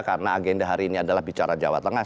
karena agenda hari ini adalah bicara jawa tengah